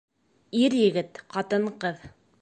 Ир-егет, ҡатын-ҡыҙ